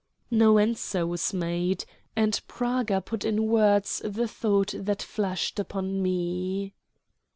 No answer was made, and Praga put in words the thought that flashed upon me.